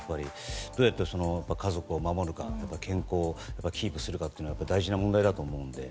どうやって家族を守るかとか健康をキープするかは大事な問題だと思うので。